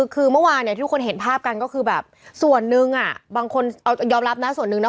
คือเมื่อวานเนี่ยที่ทุกคนเห็นภาพกันก็คือแบบส่วนหนึ่งบางคนยอมรับนะส่วนหนึ่งนะ